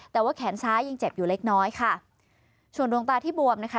แต่ว่าแขนซ้ายยังเจ็บอยู่เล็กน้อยค่ะส่วนดวงตาที่บวมนะคะ